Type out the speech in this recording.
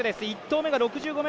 １投目が６５ｍ２